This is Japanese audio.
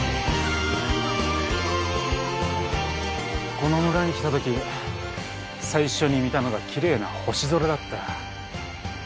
この村に来たとき最初に見たのがきれいな星空だった。